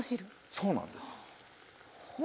そうなんですよ。